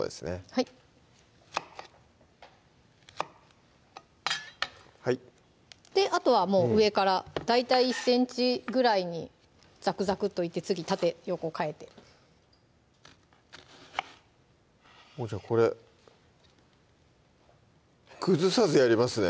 はいはいであとはもう上から大体１ｃｍぐらいにザクザクッといって次縦横変えてもうじゃあこれ崩さずやりますね